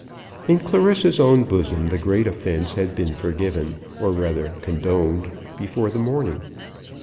In Clarissa's own bosom the great offence had been forgiven, or rather condoned before the morning.